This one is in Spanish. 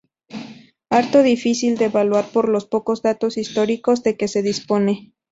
Harto difícil de evaluar por los pocos datos históricos de que se dispone.